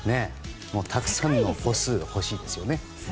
たくさんの歩数が欲しいですね。